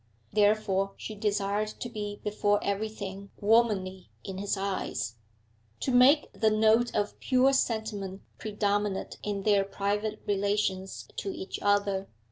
Therefore she desired to be before everything womanly in his eyes, to make the note of pure sentiment predominate in their private relations to each other.